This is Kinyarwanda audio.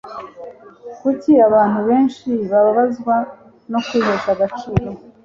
Kuki abantu benshi bababazwa no kwihesha agaciro?